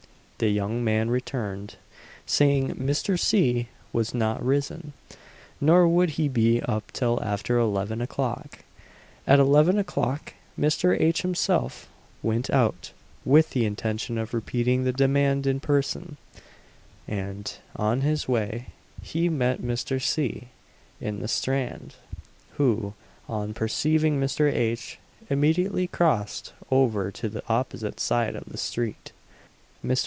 The young man returned, saying Mr. C. was not risen, nor would he be up till after eleven o'clock. At eleven o'clock Mr. H. himself went out, with the intention of repeating the demand in person; and, on his way, he met Mr. C. in the Strand, who, on perceiving Mr. H., immediately crossed over to the opposite side of the street. Mr.